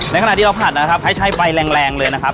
ขณะที่เราผัดนะครับให้ใช้ไฟแรงเลยนะครับ